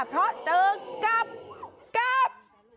เพราะเจอกับกับ